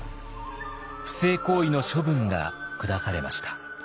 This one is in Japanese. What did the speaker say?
不正行為の処分が下されました。